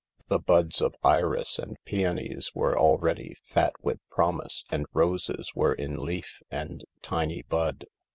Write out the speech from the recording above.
The buds of iris and peonies were already fat with promise, and roses were in leaf and tiny bud.